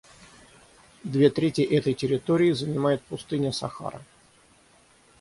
Две трети этой территории занимает пустыня Сахара.